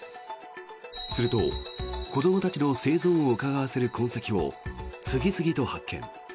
すると、子どもたちの生存をうかがわせる痕跡を次々と発見。